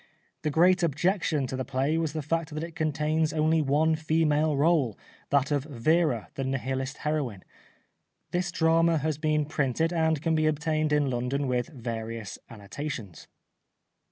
The great objection to the play was the fact that it contains only one female role, that of Vera, the Nihilist heroine. This drama has been printed, and can be obtained in London, with various annotations.